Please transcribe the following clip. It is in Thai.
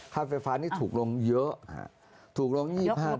ค่าไฟฟ้านี่ถูกลงเยอะถูกลง๒๕บาท